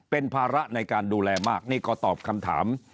เป็นภาระในการดูแลมากนี่ก็ตอบคำถาม